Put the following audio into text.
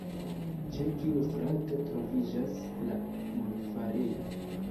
Ĉe kiu strato troviĝas la monfarejo?